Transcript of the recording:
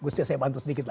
saya bantu sedikit